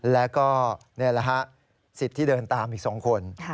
แล้วก็สิทธิ์ที่เดินตามอีก๒คน